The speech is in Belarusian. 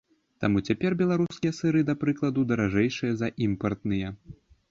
Таму цяпер беларускія сыры, да прыкладу, даражэйшыя за імпартныя.